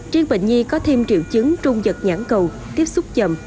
trên bệnh nhi có thêm triệu chứng trung giật nhãn cầu tiếp xúc chậm